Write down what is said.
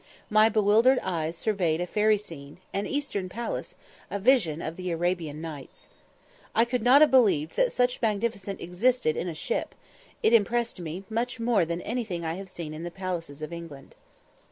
My bewildered eyes surveyed a fairy scene, an eastern palace, a vision of the Arabian Nights. I could not have believed that such magnificence existed in a ship; it impressed me much more than anything I have seen in the palaces of England.